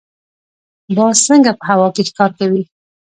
باز څنګه په هوا کې ښکار کوي؟